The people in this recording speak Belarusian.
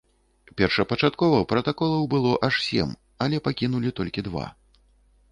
Першапачаткова пратаколаў было аж сем, але пакінулі толькі два.